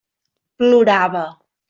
Plorava.